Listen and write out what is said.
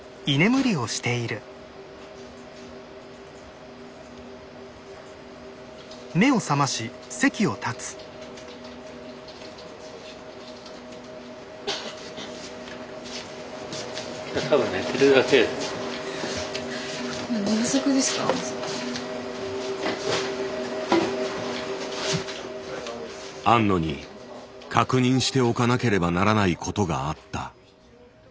庵野に確認しておかなければならないことがあった。